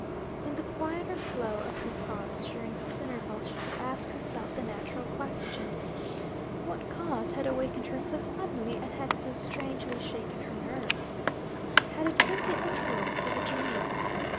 In the quieter flow of her thoughts during this interval, she could ask herself the natural question: What cause had awakened her so suddenly, and had so strangely shaken her nerves? Had it been the influence of a dream?